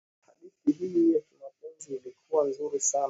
hadithi hii ya kimapenzi ilikuwa nzuri sana